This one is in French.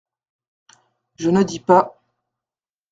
Je ne dis pas…